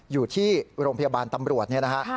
อยู่ที่โรงพยาบาลตำรวจเนี่ยนะฮะ